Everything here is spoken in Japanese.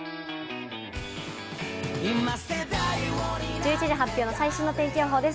１１時発表の最新の天気予報です。